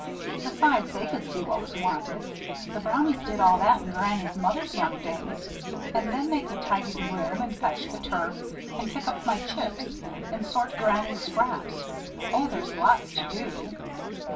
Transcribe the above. Besides, they could see what was wanted. The Brownies did all that in Granny's mother's young days. And then they could tidy the room, and fetch the turf, and pick up my chips, and sort Granny's scraps. Oh! there's lots to do."